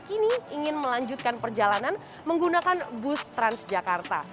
kini ingin melanjutkan perjalanan menggunakan bus transjakarta